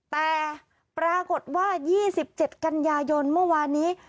แต่ปรากฏว่า๒๗กันยายนเมื่อวานนี้